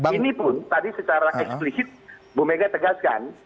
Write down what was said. ini pun tadi secara eksplisit bu mega tegaskan